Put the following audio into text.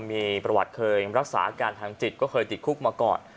มีประวัติเคยรักษาอาการทางจิตก็เคยติดคุกมาก่อน